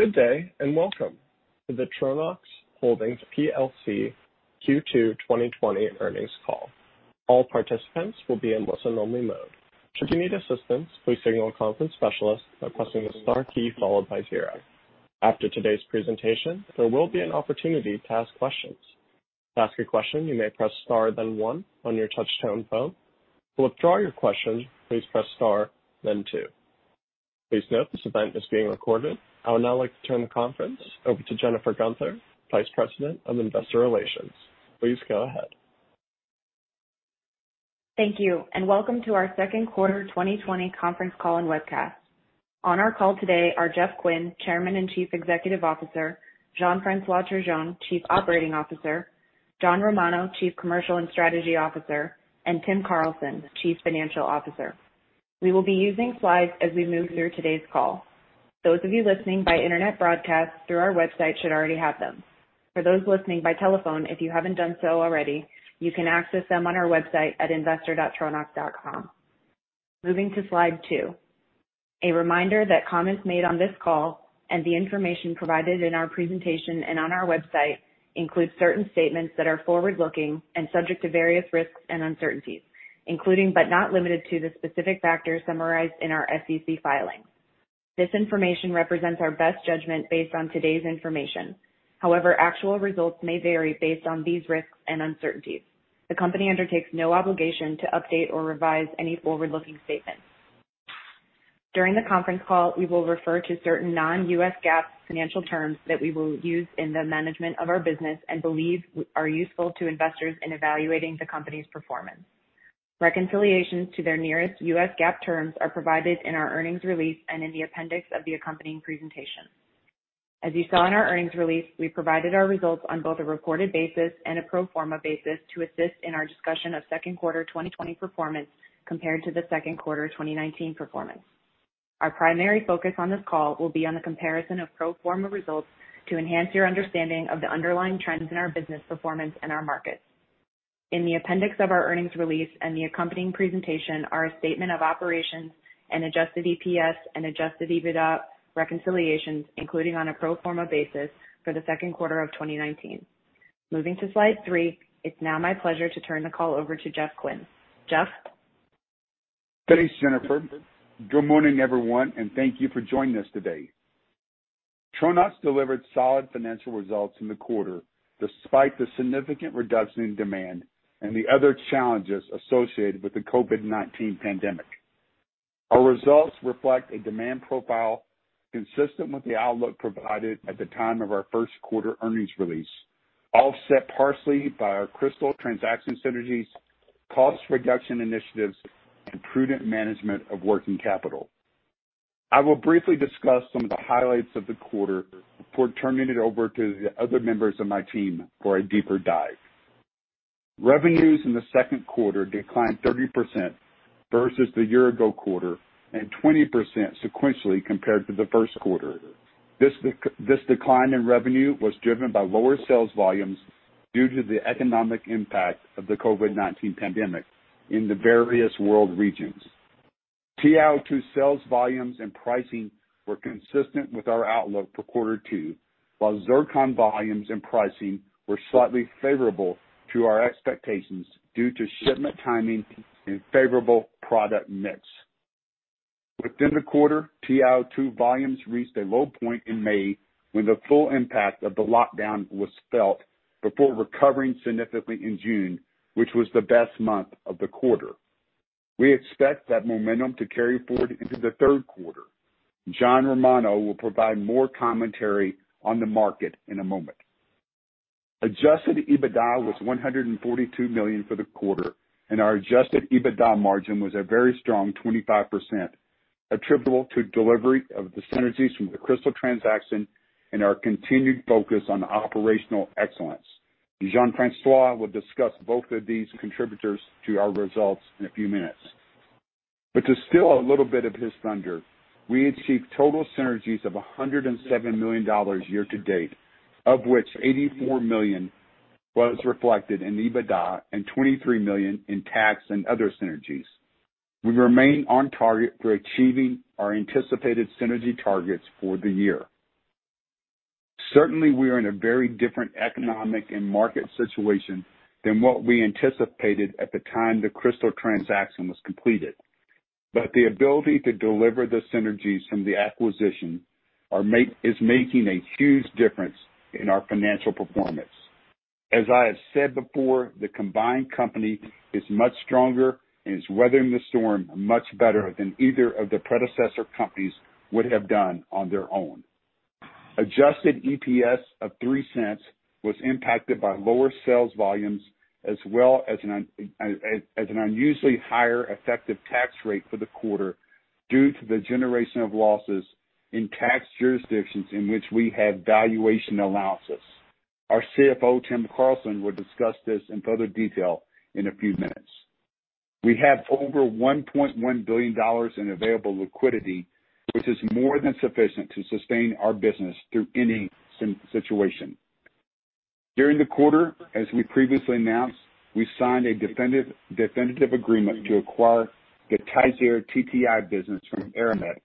Good day, and welcome to the Tronox Holdings plc Q2 2020 earnings call. All participants will be in listen-only mode. Should you need assistance, please signal a conference specialist by pressing the star key followed by zero. After today's presentation, there will be an opportunity to ask questions. To ask a question, you may press star then one on your touch-tone phone. To withdraw your question, please press star then two. Please note this event is being recorded. I would now like to turn the conference over to Jennifer Guenther, Vice President, Investor Relations. Please go ahead. Thank you. Welcome to our second quarter 2020 conference call and webcast. On our call today are Jeff Quinn, Chairman and Chief Executive Officer, Jean-François Turgeon, Chief Operating Officer, John Romano, Chief Commercial and Strategy Officer, and Tim Carlson, Chief Financial Officer. We will be using slides as we move through today's call. Those of you listening by internet broadcast through our website should already have them. For those listening by telephone, if you haven't done so already, you can access them on our website at investor.tronox.com. Moving to slide two. A reminder that comments made on this call and the information provided in our presentation and on our website includes certain statements that are forward-looking and subject to various risks and uncertainties, including, but not limited to, the specific factors summarized in our SEC filings. This information represents our best judgment based on today's information. However, actual results may vary based on these risks and uncertainties. The company undertakes no obligation to update or revise any forward-looking statements. During the conference call, we will refer to certain non-U.S. GAAP financial terms that we will use in the management of our business and believe are useful to investors in evaluating the company's performance. Reconciliations to their nearest U.S. GAAP terms are provided in our earnings release and in the appendix of the accompanying presentation. As you saw in our earnings release, we provided our results on both a reported basis and a pro forma basis to assist in our discussion of second quarter 2020 performance compared to the second quarter 2019 performance. Our primary focus on this call will be on the comparison of pro forma results to enhance your understanding of the underlying trends in our business performance and our markets. In the appendix of our earnings release and the accompanying presentation are a statement of operations and Adjusted EPS and Adjusted EBITDA reconciliations, including on a pro forma basis for the second quarter of 2019. Moving to slide three. It's now my pleasure to turn the call over to Jeff Quinn. Jeff? Thanks, Jennifer. Good morning, everyone, and thank you for joining us today. Tronox delivered solid financial results in the quarter despite the significant reduction in demand and the other challenges associated with the COVID-19 pandemic. Our results reflect a demand profile consistent with the outlook provided at the time of our first quarter earnings release, offset partially by our Cristal transaction synergies, cost reduction initiatives, and prudent management of working capital. I will briefly discuss some of the highlights of the quarter before turning it over to the other members of my team for a deeper dive. Revenues in the second quarter declined 30% versus the year-ago quarter, and 20% sequentially compared to the first quarter. This decline in revenue was driven by lower sales volumes due to the economic impact of the COVID-19 pandemic in the various world regions. TiO2 sales volumes and pricing were consistent with our outlook for quarter two, while Zircon volumes and pricing were slightly favorable to our expectations due to shipment timing and favorable product mix. Within the quarter, TiO2 volumes reached a low point in May, when the full impact of the lockdown was felt, before recovering significantly in June, which was the best month of the quarter. We expect that momentum to carry forward into the third quarter. John Romano will provide more commentary on the market in a moment. Adjusted EBITDA was $142 million for the quarter, and our Adjusted EBITDA margin was a very strong 25%, attributable to delivery of the synergies from the Cristal transaction and our continued focus on operational excellence. Jean-François will discuss both of these contributors to our results in a few minutes. To steal a little bit of his thunder, we achieved total synergies of $107 million year to date, of which $84 million was reflected in EBITDA and $23 million in tax and other synergies. We remain on target for achieving our anticipated synergy targets for the year. We are in a very different economic and market situation than what we anticipated at the time the Cristal transaction was completed. The ability to deliver the synergies from the acquisition is making a huge difference in our financial performance. As I have said before, the combined company is much stronger and is weathering the storm much better than either of the predecessor companies would have done on their own. Adjusted EPS of $0.03 was impacted by lower sales volumes as well as an unusually higher effective tax rate for the quarter due to the generation of losses in tax jurisdictions in which we have valuation allowances. Our CFO, Tim Carlson, will discuss this in further detail in a few minutes. We have over $1.1 billion in available liquidity, which is more than sufficient to sustain our business through any situation. During the quarter, as we previously announced, we signed a definitive agreement to acquire the TiZir TTI business from Eramet for $300 million.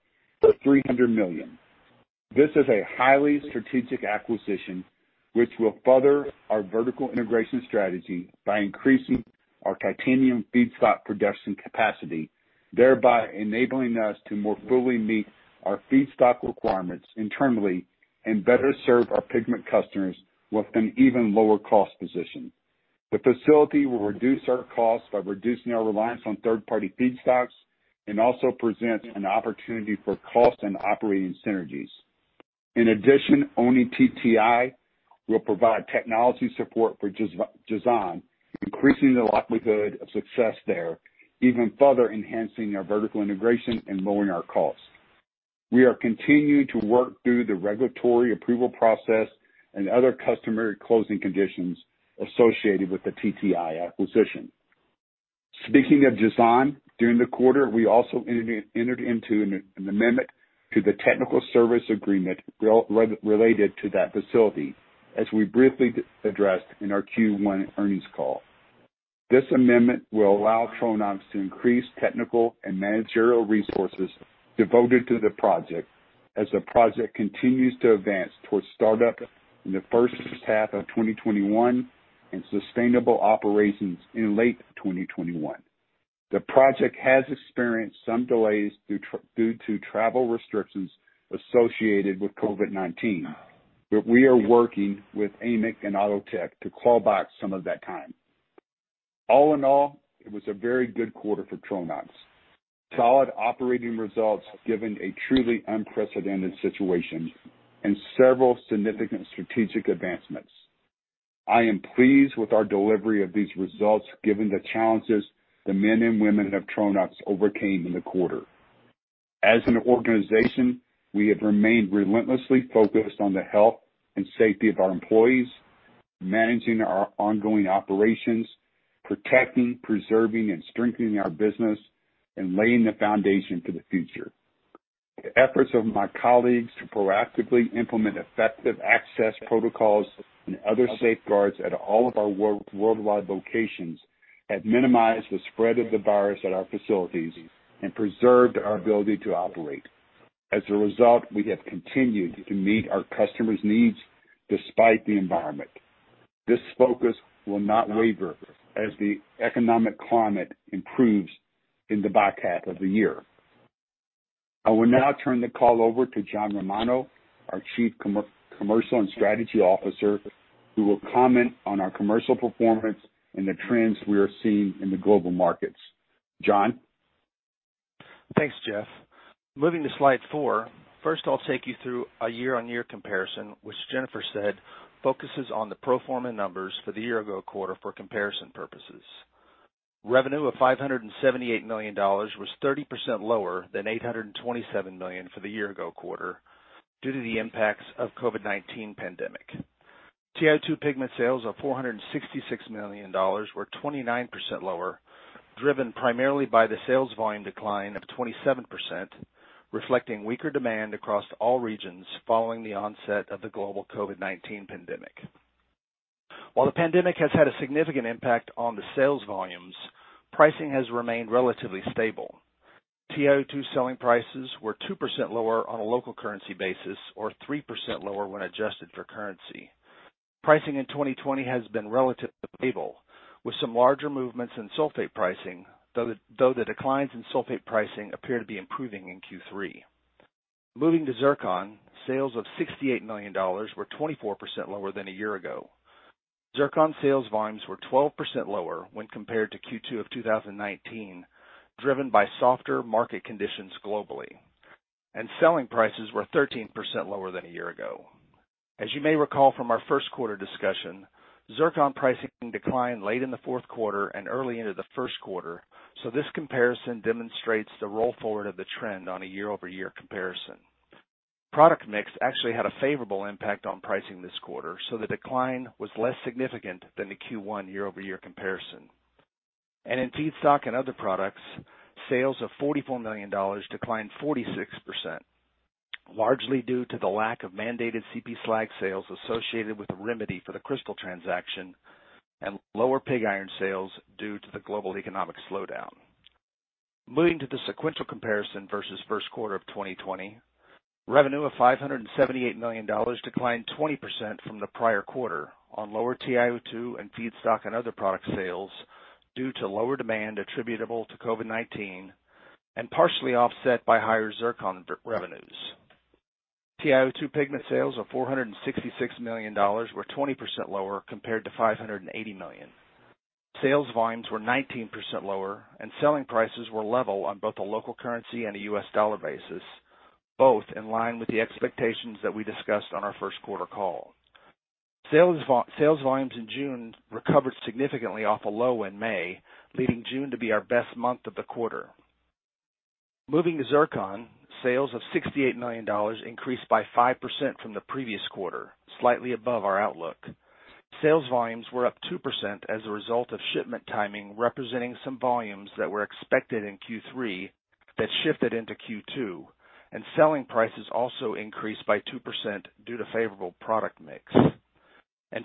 This is a highly strategic acquisition which will further our vertical integration strategy by increasing our titanium feedstock production capacity, thereby enabling us to more fully meet our feedstock requirements internally and better serve our pigment customers with an even lower cost position. The facility will reduce our costs by reducing our reliance on third-party feedstocks and also presents an opportunity for cost and operating synergies. In addition, owning TTI will provide technology support for Jazan, increasing the likelihood of success there, even further enhancing our vertical integration and lowering our costs. We are continuing to work through the regulatory approval process and other customary closing conditions associated with the TTI acquisition. Speaking of Jazan, during the quarter, we also entered into an amendment to the technical service agreement related to that facility, as we briefly addressed in our Q1 earnings call. This amendment will allow Tronox to increase technical and managerial resources devoted to the project as the project continues to advance towards startup in the first half of 2021, and sustainable operations in late 2021. The project has experienced some delays due to travel restrictions associated with COVID-19, but we are working with Amec and Outotec to claw back some of that time. All in all, it was a very good quarter for Tronox. Solid operating results given a truly unprecedented situation and several significant strategic advancements. I am pleased with our delivery of these results, given the challenges the men and women of Tronox overcame in the quarter. As an organization, we have remained relentlessly focused on the health and safety of our employees, managing our ongoing operations, protecting, preserving, and strengthening our business, and laying the foundation for the future. The efforts of my colleagues to proactively implement effective access protocols and other safeguards at all of our worldwide locations have minimized the spread of the virus at our facilities and preserved our ability to operate. As a result, we have continued to meet our customers' needs despite the environment. This focus will not waver as the economic climate improves in the back half of the year. I will now turn the call over to John Romano, our Chief Commercial and Strategy Officer, who will comment on our commercial performance and the trends we are seeing in the global markets. John? Thanks, Jeff. Moving to slide four. First, I'll take you through a year-on-year comparison, which Jennifer said focuses on the pro forma numbers for the year-ago quarter for comparison purposes. Revenue of $578 million was 30% lower than $827 million for the year-ago quarter due to the impacts of COVID-19 pandemic. TiO2 pigment sales of $466 million were 29% lower, driven primarily by the sales volume decline of 27%, reflecting weaker demand across all regions following the onset of the global COVID-19 pandemic. While the pandemic has had a significant impact on the sales volumes, pricing has remained relatively stable. TiO2 selling prices were 2% lower on a local currency basis, or 3% lower when adjusted for currency. Pricing in 2020 has been relatively stable, with some larger movements in sulfate pricing, though the declines in sulfate pricing appear to be improving in Q3. Moving to zircon, sales of $68 million were 24% lower than a year ago. Zircon sales volumes were 12% lower when compared to Q2 of 2019, driven by softer market conditions globally, and selling prices were 13% lower than a year ago. As you may recall from our first quarter discussion, zircon pricing declined late in the fourth quarter and early into the first quarter, this comparison demonstrates the roll forward of the trend on a year-over-year comparison. In feedstock and other products, sales of $44 million declined 46%, largely due to the lack of mandated chloride slag sales associated with the remedy for the Cristal transaction and lower pig iron sales due to the global economic slowdown. Moving to the sequential comparison versus first quarter of 2020, revenue of $578 million declined 20% from the prior quarter on lower TiO2 and feedstock and other product sales due to lower demand attributable to COVID-19 and partially offset by higher zircon revenues. TiO2 pigment sales of $466 million were 20% lower compared to $580 million. Sales volumes were 19% lower and selling prices were level on both a local currency and a U.S. dollar basis, both in line with the expectations that we discussed on our first quarter call. Sales volumes in June recovered significantly off a low in May, leading June to be our best month of the quarter. Moving to zircon. Sales of $68 million increased by 5% from the previous quarter, slightly above our outlook. Sales volumes were up 2% as a result of shipment timing representing some volumes that were expected in Q3 that shifted into Q2. Selling prices also increased by 2% due to favorable product mix.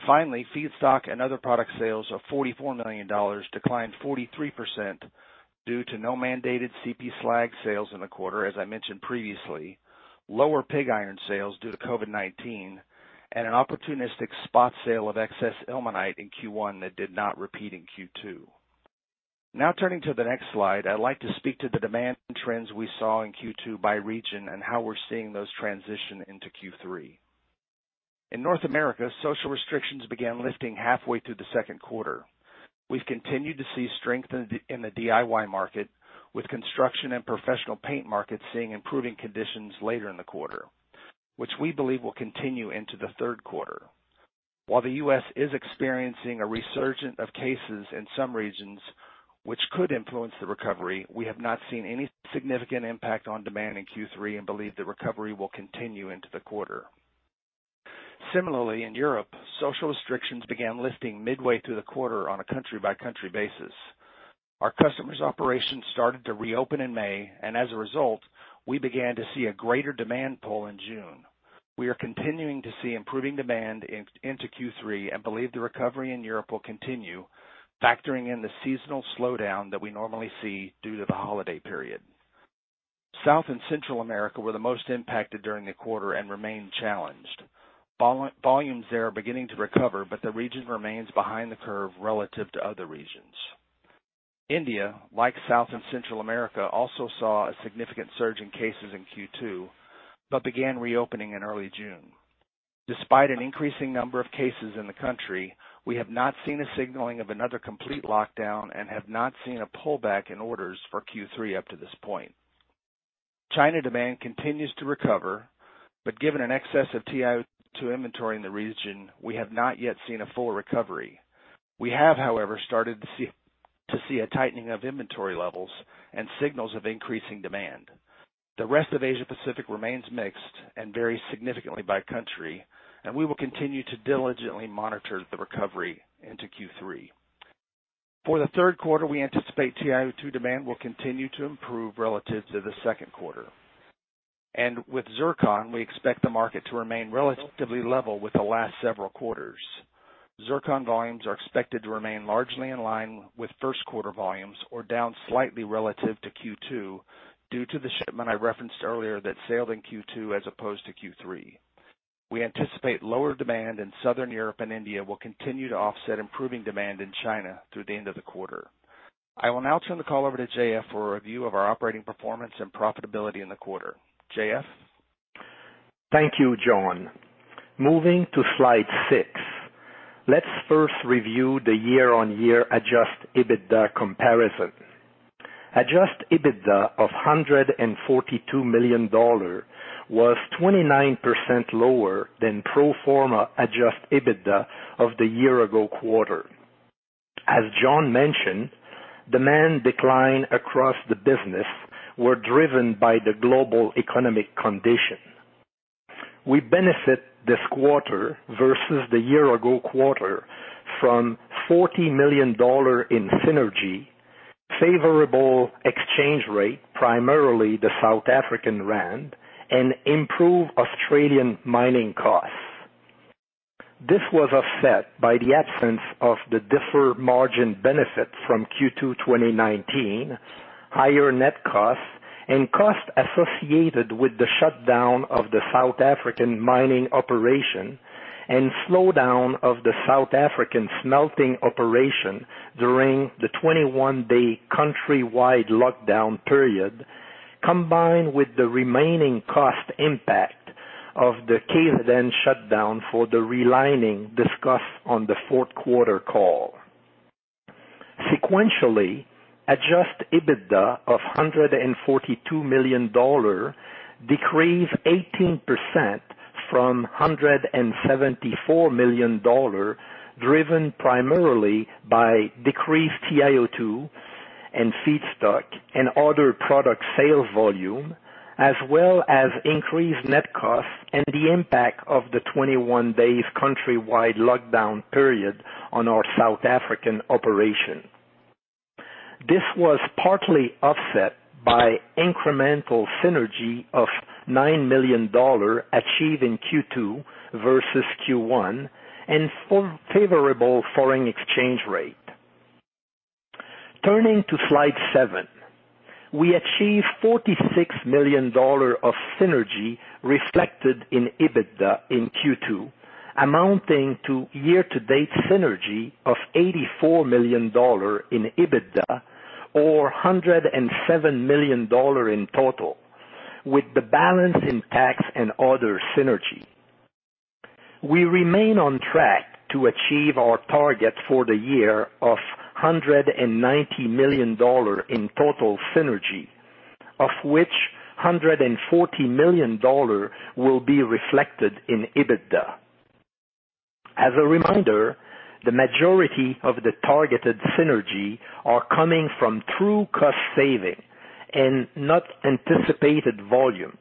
Finally, feedstock and other product sales of $44 million declined 43% due to no mandated chloride slag sales in the quarter, as I mentioned previously, lower pig iron sales due to COVID-19, and an opportunistic spot sale of excess ilmenite in Q1 that did not repeat in Q2. Turning to the next slide, I'd like to speak to the demand trends we saw in Q2 by region and how we're seeing those transition into Q3. In North America, social restrictions began lifting halfway through the second quarter. We've continued to see strength in the DIY market, with construction and professional paint markets seeing improving conditions later in the quarter, which we believe will continue into the third quarter. While the U.S. is experiencing a resurgence of cases in some regions, which could influence the recovery, we have not seen any significant impact on demand in Q3 and believe the recovery will continue into the quarter. Similarly, in Europe, social restrictions began lifting midway through the quarter on a country-by-country basis. Our customers' operations started to reopen in May, and as a result, we began to see a greater demand pull in June. We are continuing to see improving demand into Q3 and believe the recovery in Europe will continue, factoring in the seasonal slowdown that we normally see due to the holiday period. South and Central America were the most impacted during the quarter and remain challenged. Volumes there are beginning to recover, but the region remains behind the curve relative to other regions. India, like South and Central America, also saw a significant surge in cases in Q2 but began reopening in early June. Despite an increasing number of cases in the country, we have not seen a signaling of another complete lockdown and have not seen a pullback in orders for Q3 up to this point. China demand continues to recover, but given an excess of TiO2 inventory in the region, we have not yet seen a full recovery. We have, however, started to see a tightening of inventory levels and signals of increasing demand. The rest of Asia Pacific remains mixed and varies significantly by country, and we will continue to diligently monitor the recovery into Q3. For the third quarter, we anticipate TiO2 demand will continue to improve relative to the second quarter. With zircon, we expect the market to remain relatively level with the last several quarters. zircon volumes are expected to remain largely in line with first quarter volumes or down slightly relative to Q2 due to the shipment I referenced earlier that sailed in Q2 as opposed to Q3. We anticipate lower demand in Southern Europe and India will continue to offset improving demand in China through the end of the quarter. I will now turn the call over to J.F. for a review of our operating performance and profitability in the quarter. J.F.? Thank you, John. Moving to slide six, let's first review the year-on-year Adjusted EBITDA comparison. Adjusted EBITDA of $142 million was 29% lower than pro forma Adjusted EBITDA of the year-ago quarter. As John mentioned, demand decline across the business were driven by the global economic conditions. We benefit this quarter versus the year-ago quarter from $40 million in synergies, favorable exchange rate, primarily the South African rand, and improved Australian mining costs. This was offset by the absence of the deferred margin benefit from Q2 2019, higher net costs, and costs associated with the shutdown of the South African mining operation and slowdown of the South African smelting operation during the 21-day countrywide lockdown period, combined with the remaining cost impact of the Cape Town shutdown for the relining discussed on the fourth quarter call. Sequentially, Adjusted EBITDA of $142 million decreased 18% from $174 million, driven primarily by decreased TiO2 and feedstock and other product sales volume, as well as increased net costs and the impact of the 21 days countrywide lockdown period on our South African operation. This was partly offset by incremental synergy of $9 million achieved in Q2 versus Q1 and favorable foreign exchange rate. Turning to slide seven, we achieved $46 million of synergy reflected in EBITDA in Q2, amounting to year-to-date synergy of $84 million in EBITDA or $107 million in total, with the balance in tax and other synergy. We remain on track to achieve our target for the year of $190 million in total synergy, of which $140 million will be reflected in EBITDA. As a reminder, the majority of the targeted synergy are coming from true cost saving and not anticipated volume.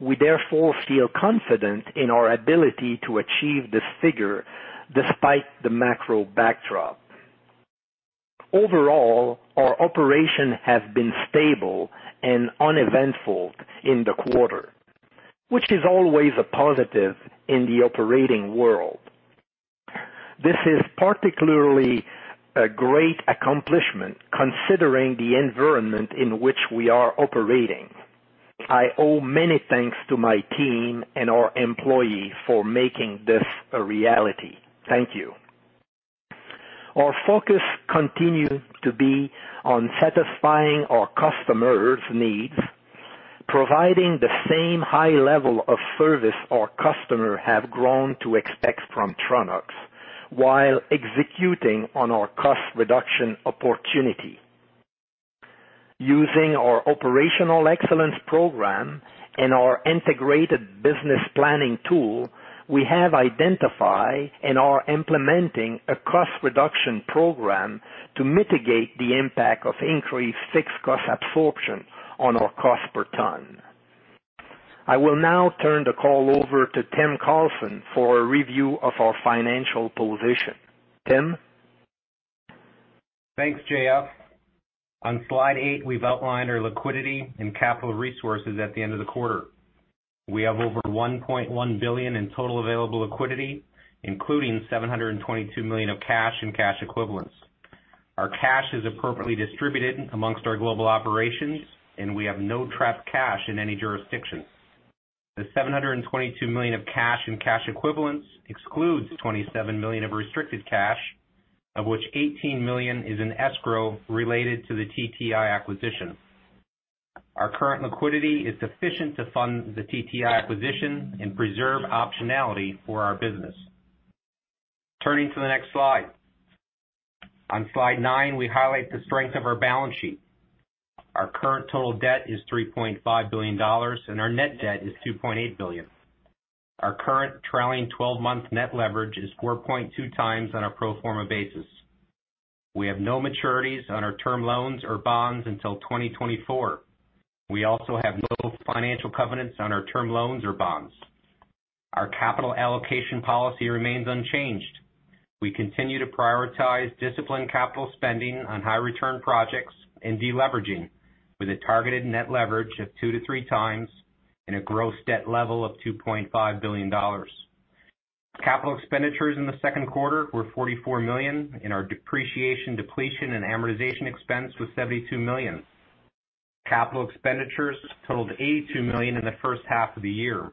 We therefore feel confident in our ability to achieve this figure despite the macro backdrop. Our operation has been stable and uneventful in the quarter, which is always a positive in the operating world. This is particularly a great accomplishment considering the environment in which we are operating. I owe many thanks to my team and our employees for making this a reality. Thank you. Our focus continued to be on satisfying our customers' needs, providing the same high level of service our customers have grown to expect from Tronox, while executing on our cost reduction opportunity. Using our operational excellence program and our integrated business planning tool, we have identified and are implementing a cost reduction program to mitigate the impact of increased fixed cost absorption on our cost per ton. I will now turn the call over to Tim Carlson for a review of our financial position. Tim? Thanks, J.F. On slide eight, we've outlined our liquidity and capital resources at the end of the quarter. We have over $1.1 billion in total available liquidity, including $722 million of cash and cash equivalents. Our cash is appropriately distributed amongst our global operations. We have no trapped cash in any jurisdiction. The $722 million of cash and cash equivalents excludes $27 million of restricted cash, of which $18 million is in escrow related to the TTI acquisition. Our current liquidity is sufficient to fund the TTI acquisition and preserve optionality for our business. Turning to the next slide. On slide nine, we highlight the strength of our balance sheet. Our current total debt is $3.5 billion. Our net debt is $2.8 billion. Our current trailing 12-month net leverage is 4.2x on a pro forma basis. We have no maturities on our term loans or bonds until 2024. We also have no financial covenants on our term loans or bonds. Our capital allocation policy remains unchanged. We continue to prioritize disciplined capital spending on high return projects and de-leveraging, with a targeted net leverage of 2-3x and a gross debt level of $2.5 billion. Capital expenditures in the second quarter were $44 million, and our depreciation, depletion, and amortization expense was $72 million. Capital expenditures totaled $82 million in the first half of the year.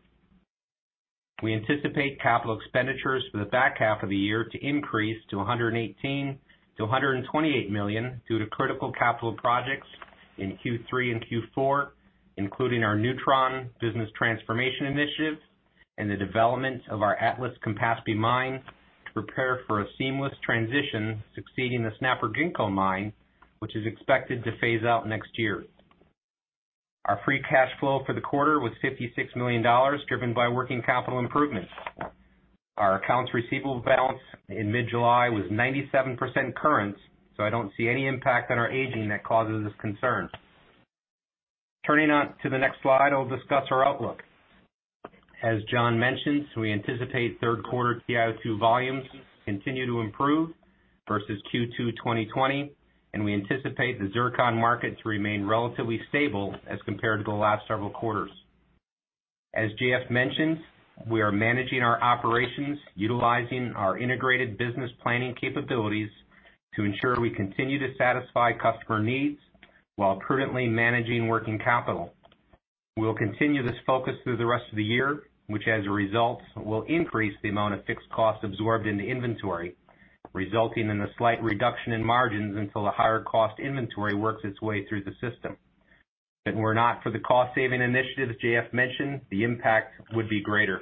We anticipate capital expenditures for the back half of the year to increase to $118 million-$128 million due to critical capital projects in Q3 and Q4, including our newTRON business transformation initiative and the development of our Atlas-Campaspe mine to prepare for a seamless transition succeeding the Snapper-Ginkgo mine, which is expected to phase out next year. Our free cash flow for the quarter was $56 million, driven by working capital improvements. Our accounts receivable balance in mid-July was 97% current, so I don't see any impact on our aging that causes us concern. Turning on to the next slide, I'll discuss our outlook. As John mentioned, we anticipate third quarter TiO2 volumes continue to improve versus Q2 2020, and we anticipate the zircon market to remain relatively stable as compared to the last several quarters. As J.F. mentioned, we are managing our operations utilizing our integrated business planning capabilities to ensure we continue to satisfy customer needs while prudently managing working capital. We'll continue this focus through the rest of the year, which as a result, will increase the amount of fixed costs absorbed in the inventory, resulting in a slight reduction in margins until the higher cost inventory works its way through the system. If it were not for the cost-saving initiatives J.F. mentioned, the impact would be greater.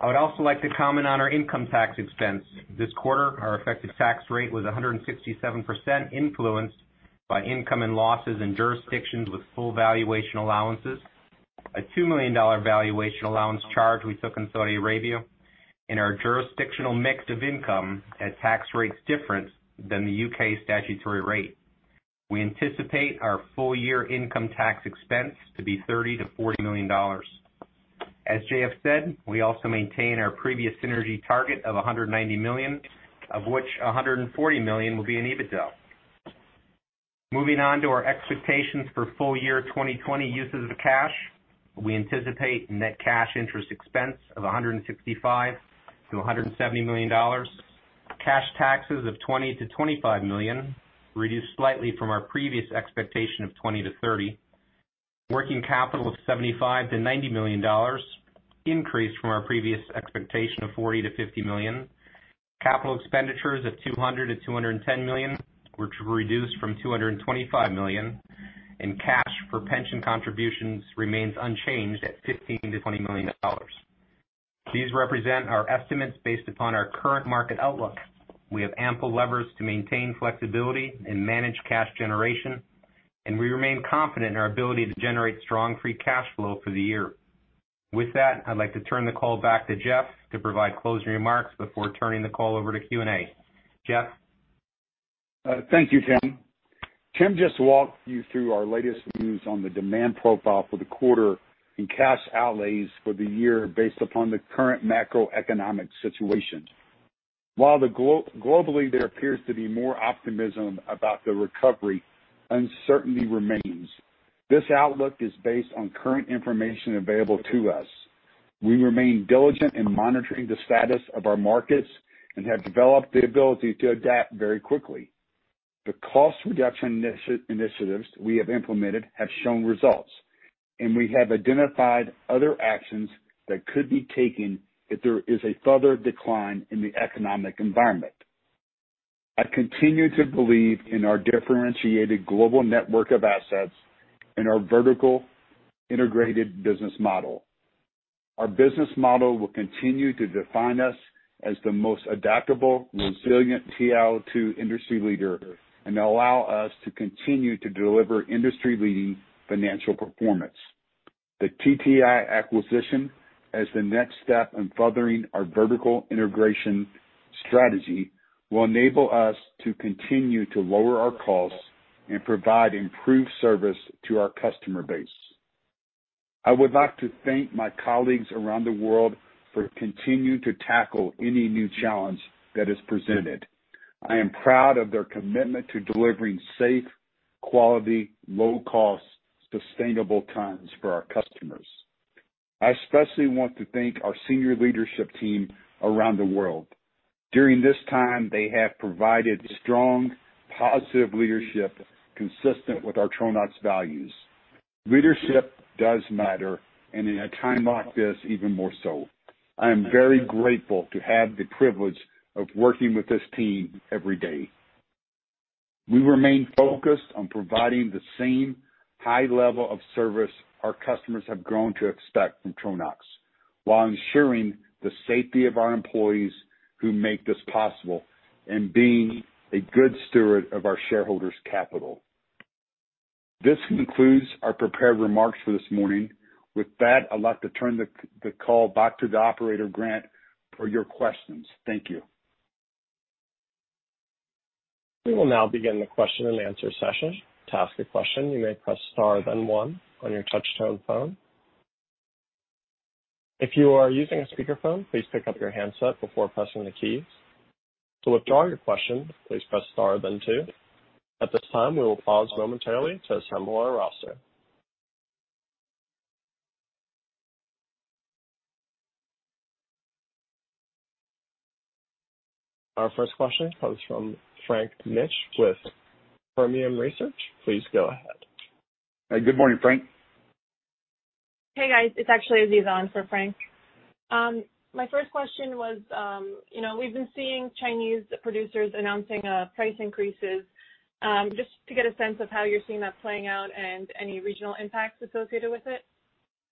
I would also like to comment on our income tax expense. This quarter, our effective tax rate was 167% influenced by income and losses in jurisdictions with full valuation allowances, a $2 million valuation allowance charge we took in Saudi Arabia, and our jurisdictional mix of income at tax rates different than the U.K. statutory rate. We anticipate our full year income tax expense to be $30 million-$40 million. As J.F. said, we also maintain our previous synergy target of $190 million, of which $140 million will be in EBITDA. Moving on to our expectations for full year 2020 uses of cash. We anticipate net cash interest expense of $165 million-$170 million. Cash taxes of $20 million-$25 million, reduced slightly from our previous expectation of $20 million-$30 million. Working capital of $75 million-$90 million, increased from our previous expectation of $40 million-$50 million. Capital expenditures of $200 million-$210 million, which reduced from $225 million. Cash for pension contributions remains unchanged at $15 million-$20 million. These represent our estimates based upon our current market outlook. We have ample levers to maintain flexibility and manage cash generation. We remain confident in our ability to generate strong free cash flow for the year. With that, I'd like to turn the call back to J.F. to provide closing remarks before turning the call over to Q&A. J.F.? Thank you, Tim. Tim just walked you through our latest views on the demand profile for the quarter and cash outlays for the year based upon the current macroeconomic situation. Globally there appears to be more optimism about the recovery, uncertainty remains. This outlook is based on current information available to us. We remain diligent in monitoring the status of our markets and have developed the ability to adapt very quickly. The cost reduction initiatives we have implemented have shown results, and we have identified other actions that could be taken if there is a further decline in the economic environment. I continue to believe in our differentiated global network of assets and our vertical integrated business model. Our business model will continue to define us as the most adaptable, resilient TiO2 industry leader and allow us to continue to deliver industry-leading financial performance. The TTI acquisition, as the next step in furthering our vertical integration strategy, will enable us to continue to lower our costs and provide improved service to our customer base. I would like to thank my colleagues around the world for continuing to tackle any new challenge that is presented. I am proud of their commitment to delivering safe, quality, low cost, sustainable tons for our customers. I especially want to thank our senior leadership team around the world. During this time, they have provided strong, positive leadership consistent with our Tronox values. Leadership does matter, and in a time like this, even more so. I am very grateful to have the privilege of working with this team every day. We remain focused on providing the same high level of service our customers have grown to expect from Tronox while ensuring the safety of our employees who make this possible and being a good steward of our shareholders' capital. This concludes our prepared remarks for this morning. With that, I'd like to turn the call back to the operator, Grant, for your questions. Thank you. We will now begin the question and answer session. To ask a question, you may press star then one on your touch-tone phone. If you are using a speakerphone, please pick up your handset before pressing the keys. To withdraw your question, please press star then two. At this time, we will pause momentarily to assemble our roster. Our first question comes from Frank Mitsch with Fermium Research. Please go ahead. Hey, good morning, Frank. Hey, guys. It's actually Aziza on for Frank. My first question was, we've been seeing Chinese producers announcing price increases. Just to get a sense of how you're seeing that playing out and any regional impacts associated with it.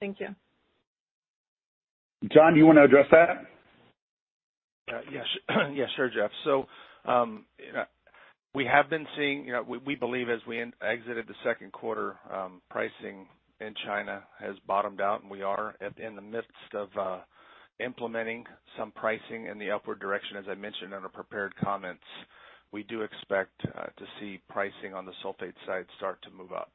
Thank you. John, do you want to address that? Yes. Sure, Jeff. We have been seeing, we believe as we exited the second quarter, pricing in China has bottomed out, and we are in the midst of implementing some pricing in the upward direction, as I mentioned in the prepared comments. We do expect to see pricing on the sulfate side start to move up.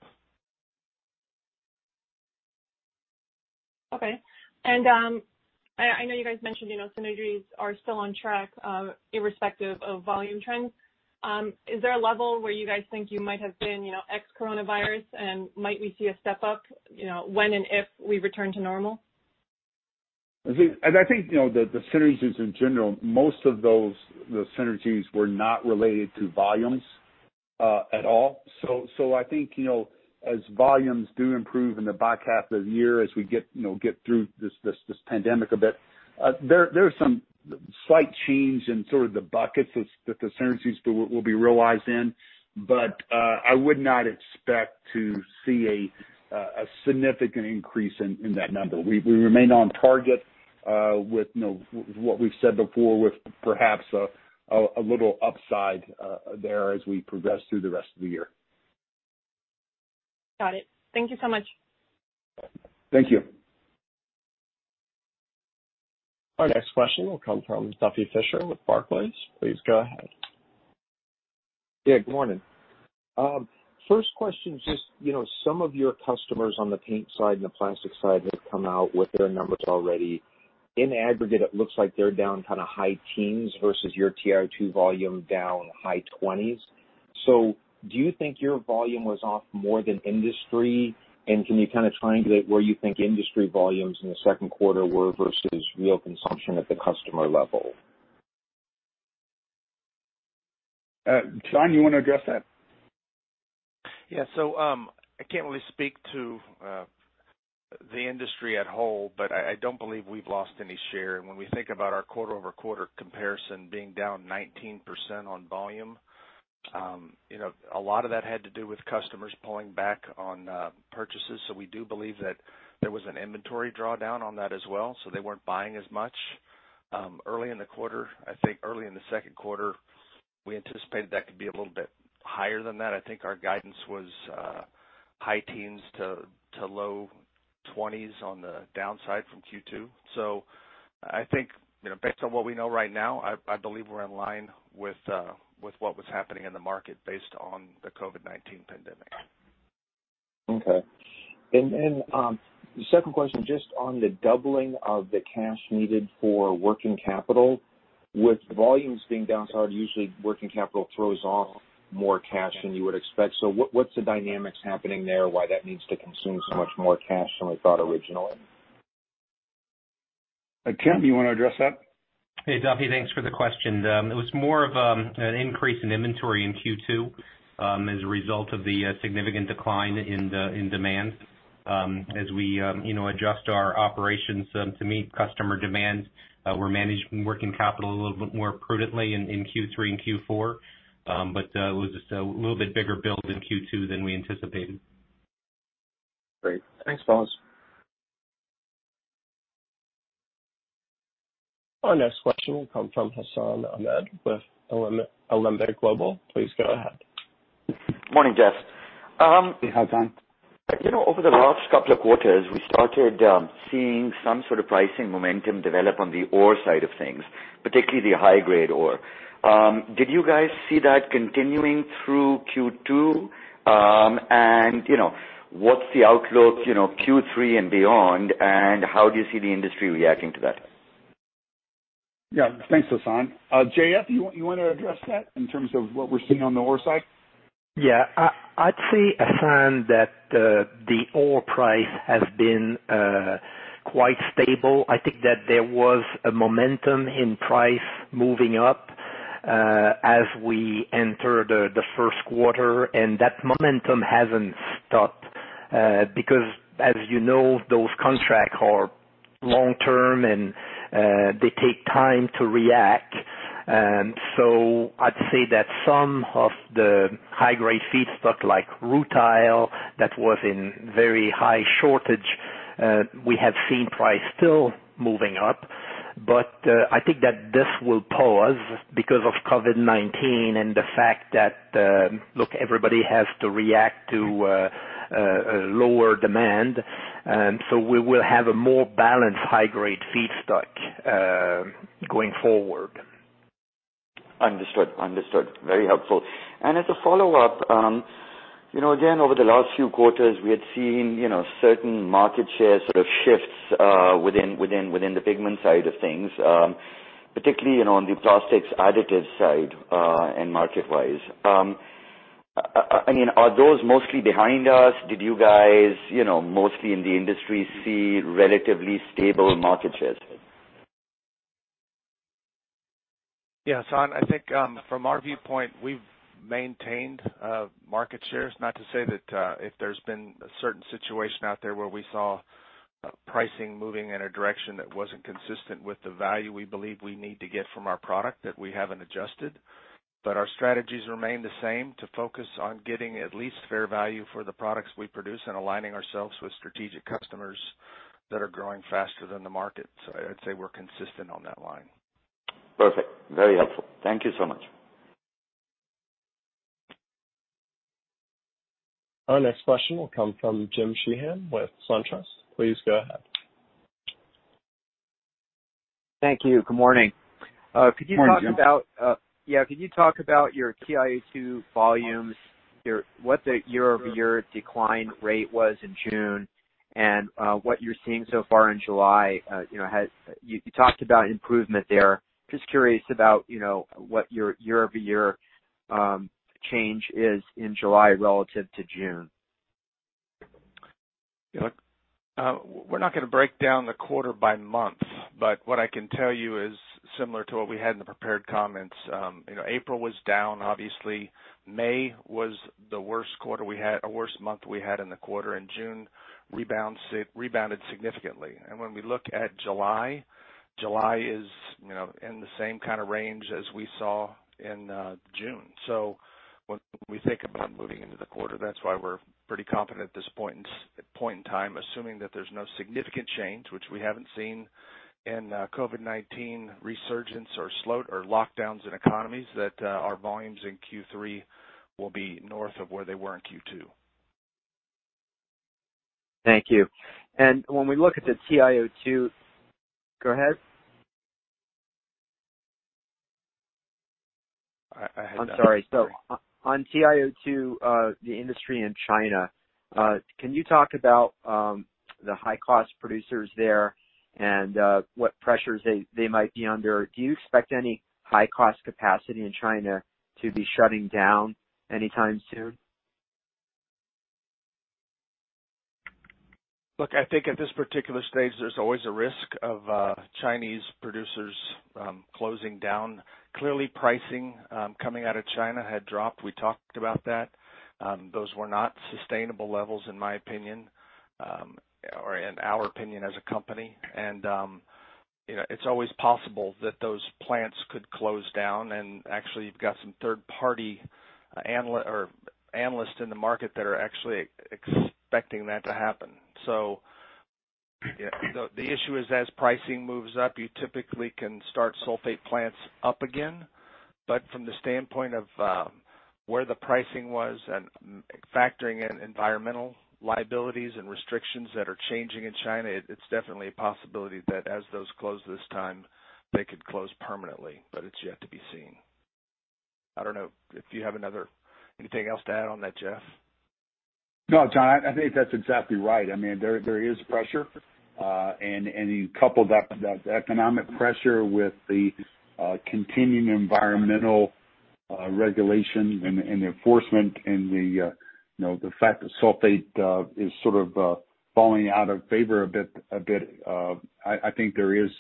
Okay. I know you guys mentioned synergies are still on track, irrespective of volume trends. Is there a level where you guys think you might have been ex-coronavirus, and might we see a step-up when and if we return to normal? I think the synergies in general, most of those synergies were not related to volumes at all. I think as volumes do improve in the back half of the year, as we get through this pandemic a bit, there's some slight change in sort of the buckets that the synergies will be realized in. I would not expect to see a significant increase in that number. We remain on target with what we've said before, with perhaps a little upside there as we progress through the rest of the year. Got it. Thank you so much. Thank you. Our next question will come from Duffy Fischer with Barclays. Please go ahead. Yeah, good morning. First question is just some of your customers on the paint side and the plastic side have come out with their numbers already. In aggregate, it looks like they're down kind of high teens versus your TiO2 volume down high twenties. Do you think your volume was off more than industry? Can you kind of triangulate where you think industry volumes in the second quarter were versus real consumption at the customer level? John, you want to address that? I can't really speak to the industry at whole, but I don't believe we've lost any share. When we think about our quarter-over-quarter comparison being down 19% on volume, a lot of that had to do with customers pulling back on purchases. We do believe that there was an inventory drawdown on that as well. They weren't buying as much early in the quarter. I think early in the second quarter, we anticipated that could be a little bit higher than that. I think our guidance was high teens to low 20s on the downside from Q2. I think, based on what we know right now, I believe we're in line with what was happening in the market based on the COVID-19 pandemic. Okay. The second question, just on the doubling of the cash needed for working capital, with volumes being down south, usually working capital throws off more cash than you would expect. What's the dynamics happening there, why that needs to consume so much more cash than we thought originally? Tim, you want to address that? Hey, Duffy, thanks for the question. It was more of an increase in inventory in Q2, as a result of the significant decline in demand. As we adjust our operations to meet customer demand, we're managing working capital a little bit more prudently in Q3 and Q4. It was just a little bit bigger build in Q2 than we anticipated. Great. Thanks, fellas. Our next question will come from Hassan Ahmed with Alembic Global. Please go ahead. Morning, Jeff. Hey, Hassan. Over the last couple of quarters, we started seeing some sort of pricing momentum develop on the ore side of things, particularly the high-grade ore. Did you guys see that continuing through Q2? What's the outlook Q3 and beyond, and how do you see the industry reacting to that? Yeah. Thanks, Hassan. J.F., you want to address that in terms of what we're seeing on the ore side? Yeah. I'd say, Hassan, that the ore price has been quite stable. I think that there was a momentum in price moving up as we enter the first quarter, and that momentum hasn't stopped. As you know, those contracts are long-term, and they take time to react. I'd say that some of the high-grade feedstock, like rutile that was in very high shortage, we have seen price still moving up. I think that this will pause because of COVID-19 and the fact that, look, everybody has to react to lower demand. We will have a more balanced high-grade feedstock going forward. Understood. Very helpful. As a follow-up, again, over the last few quarters, we had seen certain market share sort of shifts within the pigment side of things, particularly on the plastics additive side and market-wise. Are those mostly behind us? Did you guys, mostly in the industry, see relatively stable market shares? Yeah, Hassan, I think from our viewpoint, we've maintained market shares. Not to say that if there's been a certain situation out there where we saw pricing moving in a direction that wasn't consistent with the value we believe we need to get from our product that we haven't adjusted. Our strategies remain the same, to focus on getting at least fair value for the products we produce and aligning ourselves with strategic customers that are growing faster than the market. I'd say we're consistent on that line. Perfect. Very helpful. Thank you so much. Our next question will come from Jim Sheehan with SunTrust. Please go ahead. Thank you. Good morning. Good morning, Jim. Yeah. Could you talk about your TiO2 volumes, what the year-over-year decline rate was in June, and what you're seeing so far in July? You talked about improvement there. Just curious about what your year-over-year change is in July relative to June. Look, we're not going to break down the quarter by month. What I can tell you is similar to what we had in the prepared comments. April was down, obviously. May was the worst month we had in the quarter. June rebounded significantly. When we look at July is in the same kind of range as we saw in June. When we think about moving into the quarter, that's why we're pretty confident at this point in time, assuming that there's no significant change, which we haven't seen in COVID-19 resurgence or lockdowns in economies, that our volumes in Q3 will be north of where they were in Q2. Thank you. When we look at the TiO2. Go ahead? I had that. I'm sorry. On TiO2, the industry in China, can you talk about the high-cost producers there and what pressures they might be under? Do you expect any high-cost capacity in China to be shutting down anytime soon? Look, I think at this particular stage, there's always a risk of Chinese producers closing down. Clearly, pricing coming out of China had dropped. We talked about that. Those were not sustainable levels in my opinion, or in our opinion as a company. It's always possible that those plants could close down, and actually, you've got some third-party analysts in the market that are actually expecting that to happen. The issue is as pricing moves up, you typically can start sulfate plants up again. But from the standpoint of where the pricing was and factoring in environmental liabilities and restrictions that are changing in China, it's definitely a possibility that as those close this time, they could close permanently, but it's yet to be seen. I don't know if you have anything else to add on that, Jeff? No, John, I think that's exactly right. There is pressure. You couple that economic pressure with the continuing environmental regulation and the enforcement and the fact that sulfate is sort of falling out of favor a bit. I think there is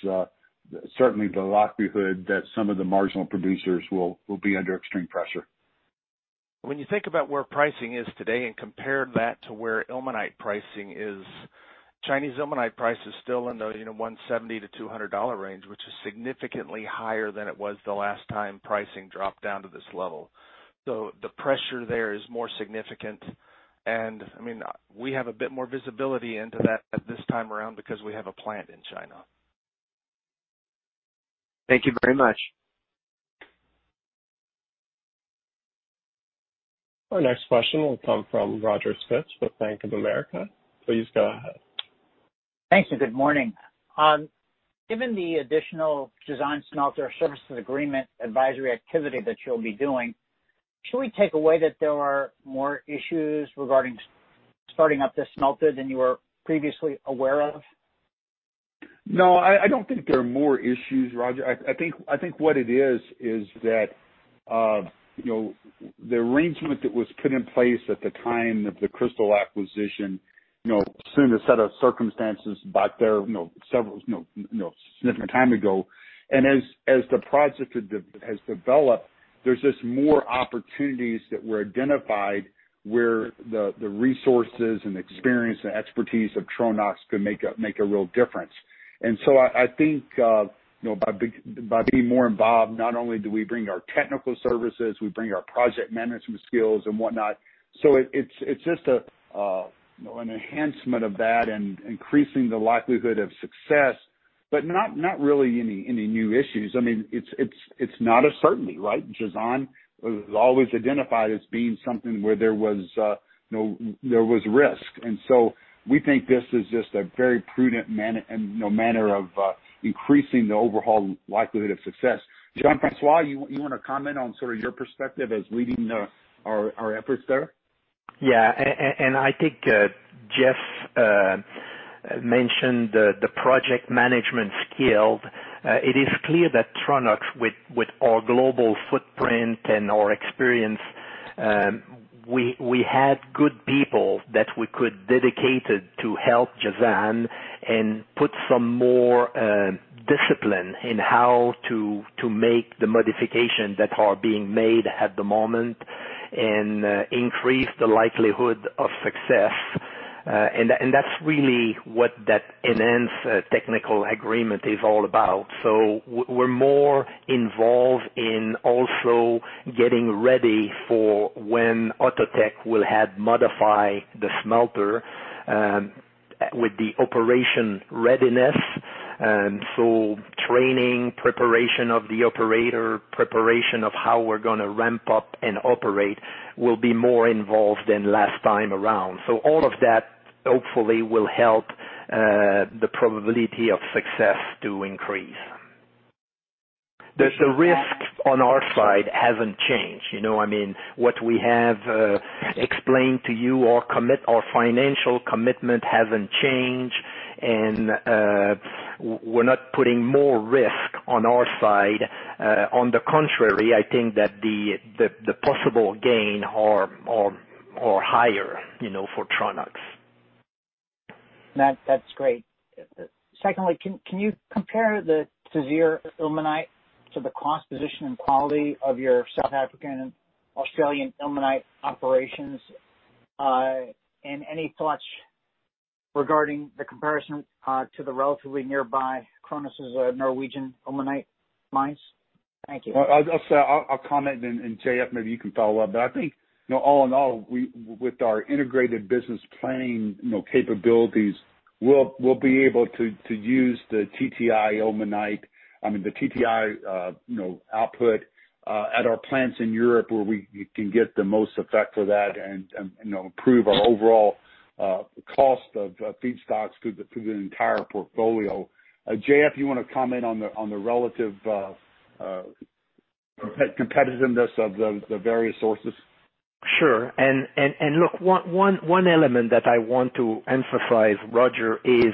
certainly the likelihood that some of the marginal producers will be under extreme pressure. When you think about where pricing is today and compare that to where ilmenite pricing is, Chinese ilmenite price is still in the $170-$200 range, which is significantly higher than it was the last time pricing dropped down to this level. The pressure there is more significant, and we have a bit more visibility into that this time around because we have a plant in China. Thank you very much. Our next question will come from Roger Spitz with Bank of America. Please go ahead. Thank you. Good morning. Given the additional Jazan smelter services agreement advisory activity that you'll be doing, should we take away that there are more issues regarding starting up the smelter than you were previously aware of? No, I don't think there are more issues, Roger. I think what it is that the arrangement that was put in place at the time of the Cristal acquisition assumed a set of circumstances back there a significant time ago. As the project has developed, there's just more opportunities that were identified where the resources and experience and expertise of Tronox could make a real difference. I think by being more involved, not only do we bring our technical services, we bring our project management skills and whatnot. It's just an enhancement of that and increasing the likelihood of success, but not really any new issues. It's not a certainty, right? Jazan was always identified as being something where there was risk. We think this is just a very prudent manner of increasing the overall likelihood of success. Jean-François, you want to comment on sort of your perspective as leading our efforts there? Yeah. I think Jeff mentioned the project management skills. It is clear that Tronox, with our global footprint and our experience, we had good people that we could dedicate to help Jazan and put some more discipline in how to make the modifications that are being made at the moment and increase the likelihood of success. That's really what that enhanced technical agreement is all about. We're more involved in also getting ready for when Outotec will help modify the smelter with the operation readiness. Training, preparation of the operator, preparation of how we're going to ramp up and operate will be more involved than last time around. All of that hopefully will help the probability of success to increase. The risk on our side hasn't changed. What we have explained to you, our financial commitment hasn't changed, and we're not putting more risk on our side. On the contrary, I think that the possible gain are higher for Tronox. That's great. Secondly, can you compare the TiZir ilmenite to the cost position and quality of your South African and Australian ilmenite operations? Any thoughts regarding the comparison to the relatively nearby KRONOS' Norwegian ilmenite mines? Thank you. I'll comment, and J.F., maybe you can follow up. I think all in all, with our integrated business planning capabilities, we'll be able to use the TTI ilmenite, the TTI output at our plants in Europe where we can get the most effect for that and improve our overall cost of feedstocks through the entire portfolio. J.F., you want to comment on the relative competitiveness of the various sources? Sure. Look, one element that I want to emphasize, Roger, is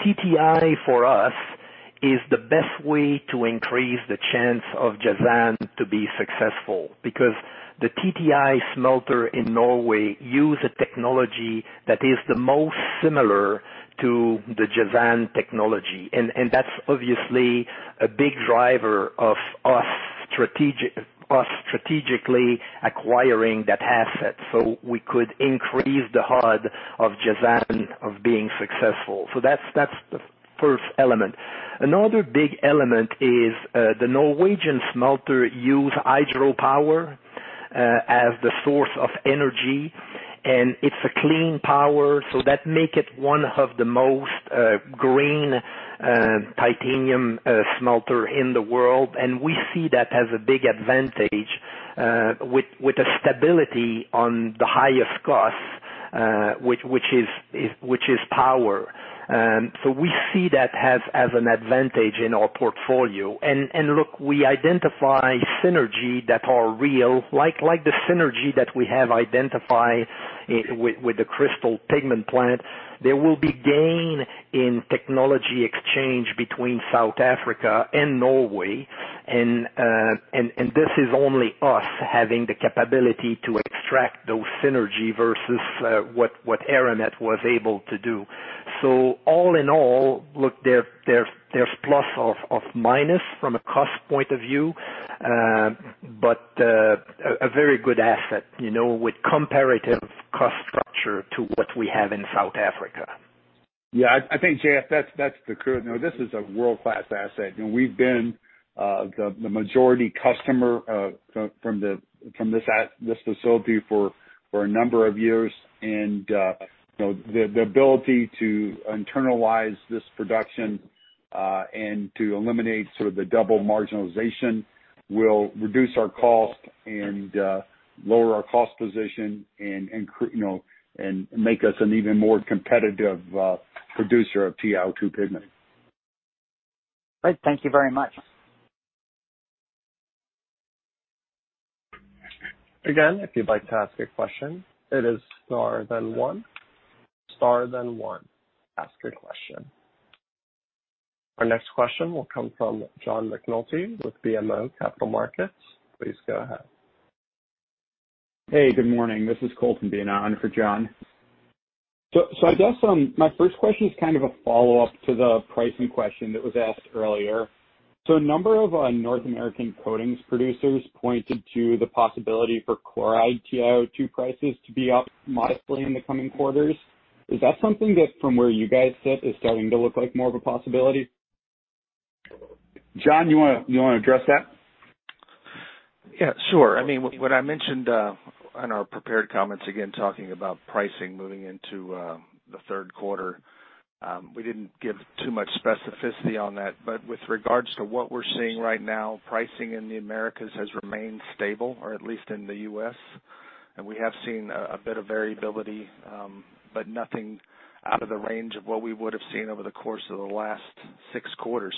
TTI for us is the best way to increase the chance of Jazan to be successful, because the TTI smelter in Norway use a technology that is the most similar to the Jazan technology. That's obviously a big driver of us strategically acquiring that asset so we could increase the likelihood of Jazan of being successful. That's the first element. Another big element is the Norwegian smelter use hydropower as the source of energy, and it's a clean power, so that make it one of the most green titanium smelter in the world. We see that as a big advantage, with the stability on the highest costs, which is power. We see that as an advantage in our portfolio. Look, we identify synergy that are real, like the synergy that we have identified with the Cristal pigment plant. There will be gain in technology exchange between South Africa and Norway. This is only us having the capability to extract those synergy versus what Eramet was able to do. All in all, look, there's plus of minus from a cost point of view, but a very good asset with comparative cost structure to what we have in South Africa. Yeah. I think, J.F., that's the current. This is a world-class asset. We've been the majority customer from this facility for a number of years. The ability to internalize this production, and to eliminate sort of the double marginalization will reduce our cost and lower our cost position and make us an even more competitive producer of TiO2 pigment. Great. Thank you very much. If you'd like to ask a question, it is star then one. Star then one. Ask your question. Our next question will come from John McNulty with BMO Capital Markets. Please go ahead. Hey, good morning. This is Cole from BMO on for John. I guess my first question is kind of a follow-up to the pricing question that was asked earlier. A number of North American coatings producers pointed to the possibility for chloride TiO2 prices to be up modestly in the coming quarters. Is that something that, from where you guys sit, is starting to look like more of a possibility? John, you want to address that? Sure. I mean, what I mentioned in our prepared comments, again, talking about pricing moving into the third quarter, we didn't give too much specificity on that, but with regards to what we're seeing right now, pricing in the Americas has remained stable, or at least in the U.S. We have seen a bit of variability, but nothing out of the range of what we would've seen over the course of the last six quarters.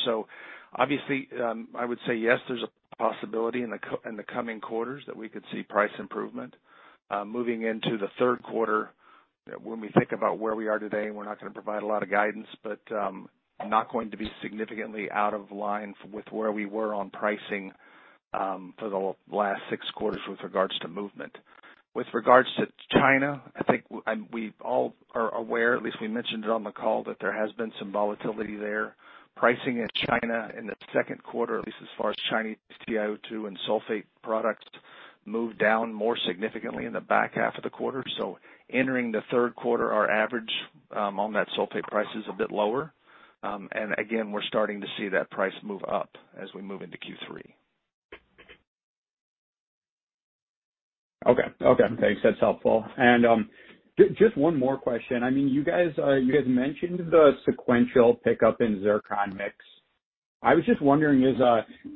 Obviously, I would say yes, there's a possibility in the coming quarters that we could see price improvement. Moving into the third quarter, when we think about where we are today, and we're not going to provide a lot of guidance, but not going to be significantly out of line with where we were on pricing for the last six quarters with regards to movement. With regards to China, I think we all are aware, at least we mentioned it on the call, that there has been some volatility there. Pricing in China in the second quarter, at least as far as Chinese TiO2 and sulfate products, moved down more significantly in the back half of the quarter. Entering the third quarter, our average on that sulfate price is a bit lower. Again, we're starting to see that price move up as we move into Q3. Okay. Thanks. That's helpful. Just one more question. You guys mentioned the sequential pickup in Zircon mix. I was just wondering, is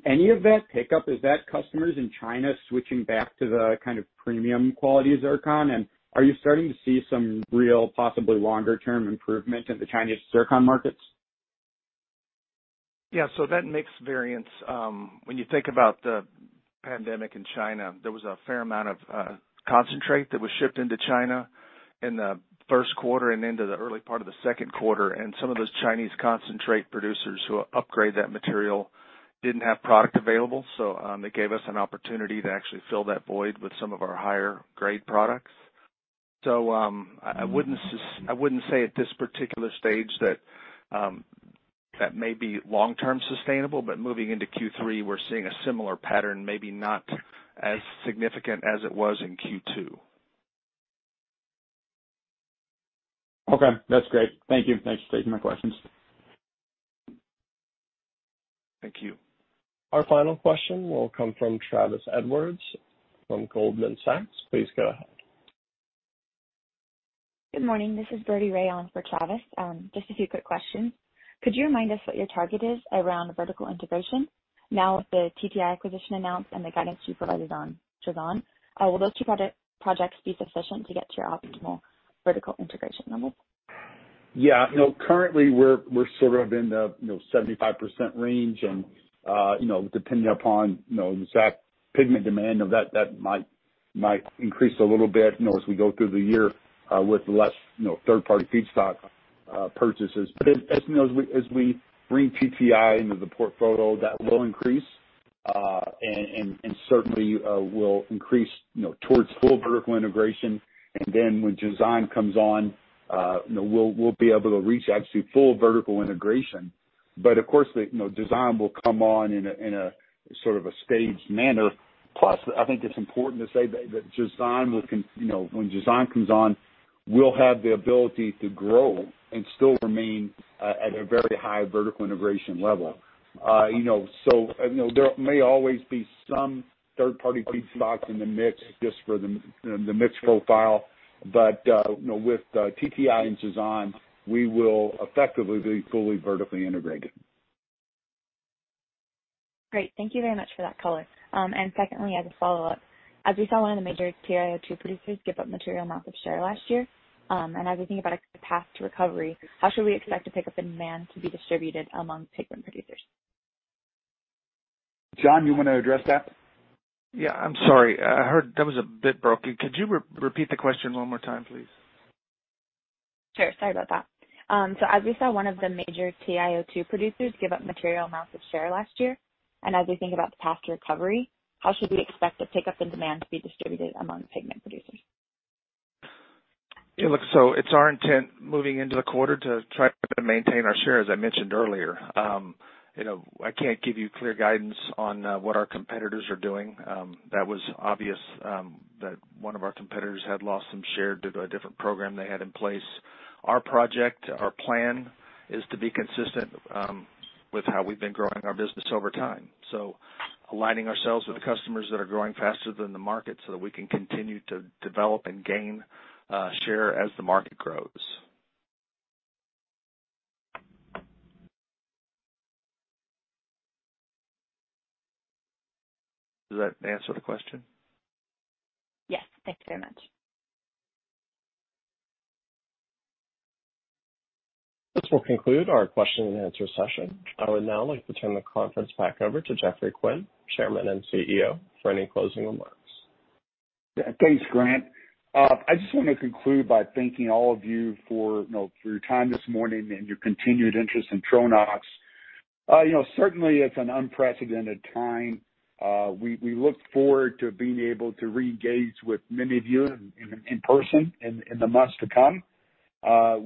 any of that pickup, is that customers in China switching back to the kind of premium quality of Zircon? Are you starting to see some real, possibly longer term improvement in the Chinese Zircon markets? That mix variance, when you think about the pandemic in China, there was a fair amount of concentrate that was shipped into China in the first quarter and into the early part of the second quarter. Some of those Chinese concentrate producers who upgrade that material didn't have product available. It gave us an opportunity to actually fill that void with some of our higher grade products. I wouldn't say at this particular stage that may be long-term sustainable, but moving into Q3, we're seeing a similar pattern, maybe not as significant as it was in Q2. Okay. That's great. Thank you. Thanks for taking my questions. Thank you. Our final question will come from Travis Edwards from Goldman Sachs. Please go ahead. Good morning. This is Birdie Ray on for Travis. Just a few quick questions. Could you remind us what your target is around vertical integration now with the TTI acquisition announced and the guidance you provided on Jazan? Will those two projects be sufficient to get to your optimal vertical integration levels? Yeah. Currently, we're sort of in the 75% range. Depending upon exact pigment demand, that might increase a little bit as we go through the year with less third-party feedstock purchases. As we bring TTI into the portfolio, that will increase, and certainly will increase towards full vertical integration. When Jazan comes on, we'll be able to reach actually full vertical integration. Of course, Jazan will come on in a sort of a staged manner. I think it's important to say that when Jazan comes on, we'll have the ability to grow and still remain at a very high vertical integration level. There may always be some third-party feedstocks in the mix just for the mix profile. With TTI and Jazan, we will effectively be fully vertically integrated. Great. Thank you very much for that color. Secondly, as a follow-up, as we saw one of the major TiO2 producers give up material amounts of share last year, and as we think about a path to recovery, how should we expect the pickup in demand to be distributed among pigment producers? John, you want to address that? Yeah. I'm sorry. I heard that was a bit broken. Could you repeat the question one more time, please? Sure. Sorry about that. As we saw one of the major TiO2 producers give up material amounts of share last year, and as we think about the path to recovery, how should we expect the pickup in demand to be distributed among pigment producers? It's our intent, moving into the quarter, to try to maintain our share, as I mentioned earlier. I can't give you clear guidance on what our competitors are doing. That was obvious, that one of our competitors had lost some share due to a different program they had in place. Our project, our plan, is to be consistent with how we've been growing our business over time. Aligning ourselves with the customers that are growing faster than the market so that we can continue to develop and gain share as the market grows. Does that answer the question? Yes. Thank you very much. This will conclude our question and answer session. I would now like to turn the conference back over to Jeffry Quinn, Chairman and CEO, for any closing remarks. Yeah. Thanks, Grant. I just want to conclude by thanking all of you for your time this morning and your continued interest in Tronox. Certainly, it is an unprecedented time. We look forward to being able to re-engage with many of you in person in the months to come.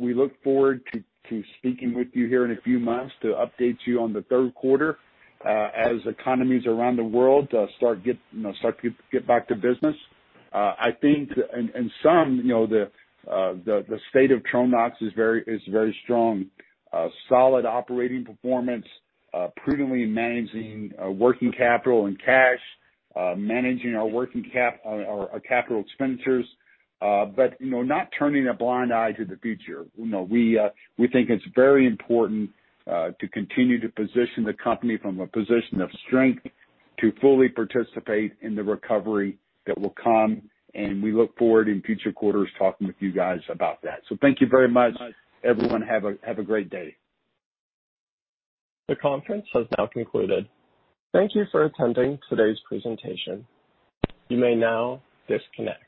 We look forward to speaking with you here in a few months to update you on the third quarter, as economies around the world start to get back to business. I think in sum, the state of Tronox is very strong. Solid operating performance, prudently managing working capital and cash, managing our capital expenditures, but not turning a blind eye to the future. We think it is very important to continue to position the company from a position of strength to fully participate in the recovery that will come. We look forward in future quarters talking with you guys about that. Thank you very much, everyone. Have a great day. The conference has now concluded. Thank you for attending today's presentation. You may now disconnect.